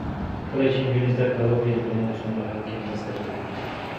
کله چې نجونې زده کړه وکړي، د ټولنې د ستونزو حل کې مرسته کوي.